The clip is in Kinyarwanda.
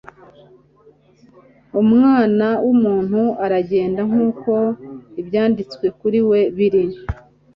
«Umwana w'umuntu aragenda nk’uko ibyanditswe kuri we biri,